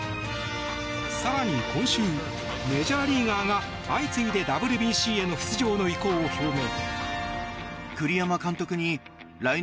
更に今週、メジャーリーガーが相次いでＷＢＣへの出場の意向を表明。